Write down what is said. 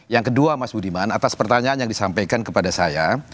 yang kedua mas budiman atas pertanyaan yang disampaikan kepada saya